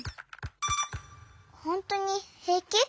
ほんとにへいき？